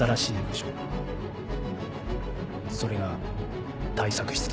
それが対策室です。